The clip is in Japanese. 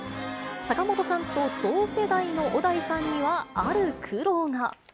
坂本さんと同世代の小田井さんには、ある苦労が。